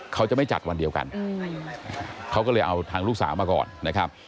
เขาจะไม่จัดวันเดียวกันเขาก็เลยเอาทางลูกสาวมาก่อนนะครับ